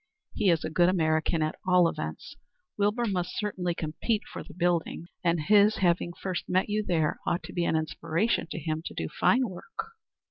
He's a good American at all events. Wilbur must certainly compete for the buildings, and his having first met you there ought to be an inspiration to him to do fine work."